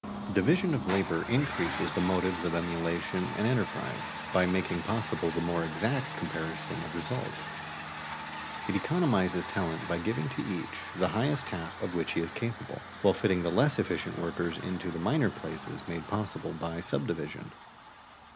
Division of labor increases the motives of emulation and enterprise, by making possible the more exact comparison of results. It economizes talent by giving to each the highest task of which he is capable, while fitting the less efficient workers into the minor places made possible by subdivision.